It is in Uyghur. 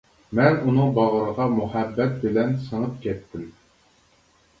مەن ئۇنىڭ باغرىغا مۇھەببەت بىلەن سىڭىپ كەتتىم.